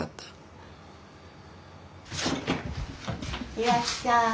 いらっしゃい。